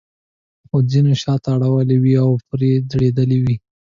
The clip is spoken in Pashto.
خو ځینو شاته اړولې وې او پرې ځړېدلې وې.